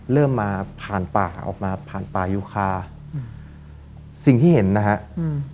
เริ่มมาผ่านป่าออกมาผ่านป่ายูคาอืมสิ่งที่เห็นนะฮะอืม